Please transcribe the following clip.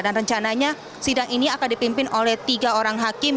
dan rencananya sidang ini akan dipimpin oleh tiga orang hakim